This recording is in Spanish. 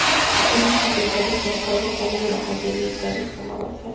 Apenas completado su encargo, sale de la joyería y cae desplomado al suelo.